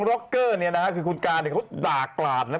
ร็อกเกอร์เนี่ยนะฮะคือคุณการเนี่ยเขาด่ากลาดนะ